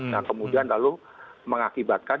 nah kemudian lalu mengakibatkan